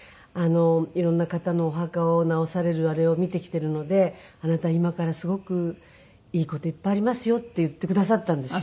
「色んな方のお墓を直されるあれを見てきているのであなた今からすごくいい事いっぱいありますよ」って言ってくださったんですよ。